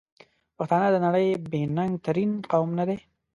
پښتانه د نړۍ بې ننګ ترین قوم ندی؟!